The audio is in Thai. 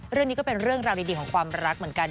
เรื่องนี้ก็เป็นเรื่องราวดีของความรักเหมือนกัน